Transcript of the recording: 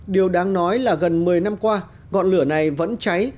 điều đáng nói là gần một mươi năm qua ngọn lửa này vẫn cháy